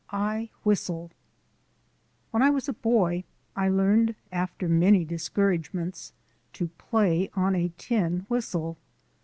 I WHISTLE When I was a boy I learned after many discouragements to play on a tin whistle.